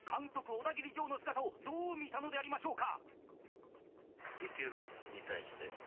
オダギリジョーの姿をどう見たのでありましょうか？